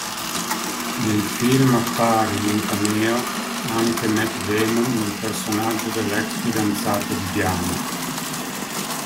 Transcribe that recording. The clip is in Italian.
Nel film appare, in un cameo, anche Matt Damon nel personaggio dell'ex-fidanzato di Diana.